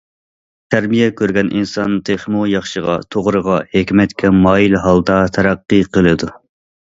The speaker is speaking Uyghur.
تەربىيە كۆرگەن ئىنسان، تېخىمۇ ياخشىغا، توغرىغا، ھېكمەتكە مايىل ھالدا تەرەققىي قىلىدۇ.